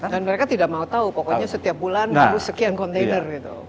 dan mereka tidak mau tahu pokoknya setiap bulan harus sekian kontainer gitu